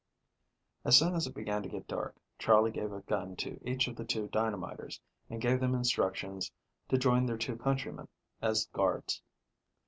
As soon as it began to get dark, Charley gave a gun to each of the two dynamiters, and gave them instructions to join their two countrymen as guards.